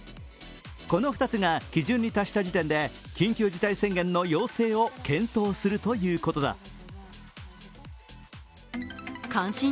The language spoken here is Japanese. この２つが基準に達した時点で緊急事態宣言の要請を検討するということだ。